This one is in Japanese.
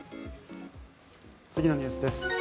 次のニュースです。